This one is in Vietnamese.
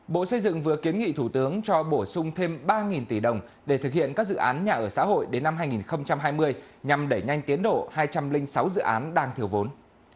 bộ xây dựng vừa kiến nghị thủ tướng cho bổ sung thêm ba tỷ đồng để thực hiện các dự án nhà ở xã hội đến năm hai nghìn hai mươi nhằm đẩy nhanh tiến độ hai trăm linh sáu dự án đang thiếu vốn